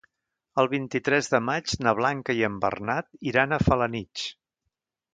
El vint-i-tres de maig na Blanca i en Bernat iran a Felanitx.